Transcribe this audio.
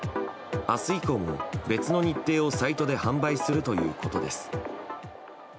明日以降も、別の日程をサイトで販売するということです。